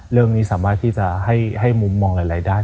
เรื่องนี้สามารถที่จะให้มุมมองหลายด้าน